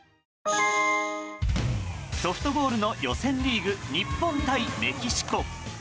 ソフトボールの予選リーグ日本対メキシコ。